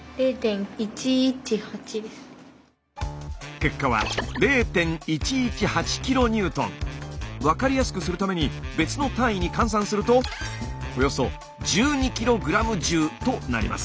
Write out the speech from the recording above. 結果は分かりやすくするために別の単位に換算するとおよそ１２ｋｇｆとなります。